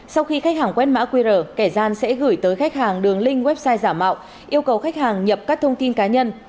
sau khi khách hàng quét mã qr kẻ gian sẽ gửi tới khách hàng đường link website giả mạo yêu cầu khách hàng nhập các thông tin cá nhân